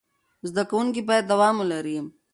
زده کوونکي باید دوام ولري.